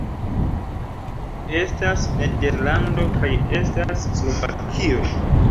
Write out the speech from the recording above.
Estas Nederlando kaj estas Slovakio